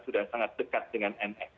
sudah sangat dekat dengan mx